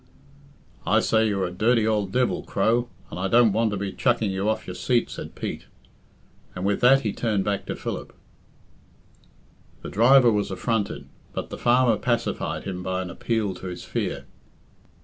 "I say you're a dirty ould divil, Crow; and I don't want to be chucking you off your seat," said Pete; and with that he turned back to Philip. * The driver was affronted, but the farmer pacified him by an appeal to his fear.